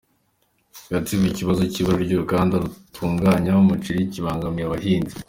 Gatsibo Ikibazo cy’ibura ry’uruganda rutunganya umuceri kibangamiye abahinzi